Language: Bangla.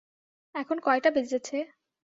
এখন কয়টা বেজেছে?